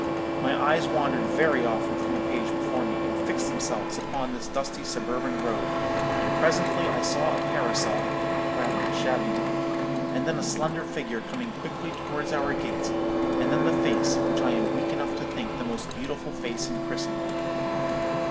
My eyes wandered very often from the page before me, and fixed themselves upon this dusty suburban road; and presently I saw a parasol, rather a shabby one, and then a slender figure coming quickly towards our gate, and then the face, which I am weak enough to think the most beautiful face in Christendom.